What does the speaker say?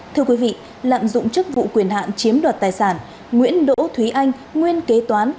thưa quý vị lạm dụng chức vụ quyền hạn chiếm đoạt tài sản nguyễn đỗ thúy anh nguyên kế toán